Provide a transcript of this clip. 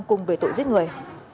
cùng với tội giết người